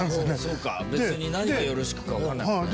そうか別に何がよろしくかわかんないもんね。